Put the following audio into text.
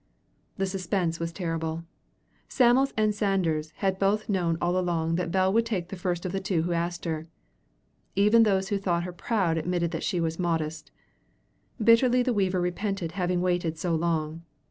The suspense was terrible. Sam'l and Sanders had both known all along that Bell would take the first of the two who asked her. Even those who thought her proud admitted that she was modest. Bitterly the weaver repented having waited so long.